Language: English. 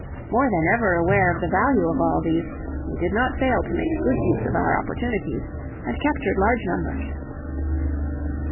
More than ever aware of the value of all these, we did not fail to make good use of our opportunities, and captured large numbers.